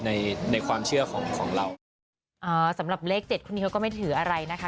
ในในความเชื่อของของเราอ่าสำหรับเลขเจ็ดคู่นี้เขาก็ไม่ถืออะไรนะคะ